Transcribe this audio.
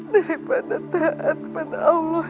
daripada taat kepada allah